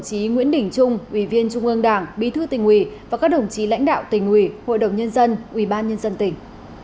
chí nguyễn đỉnh trung quỳ viên trung ương đảng bí thư tỉnh ủy và các đồng chí lãnh đạo tỉnh ủy hội đồng nhân dân ubnd tỉnh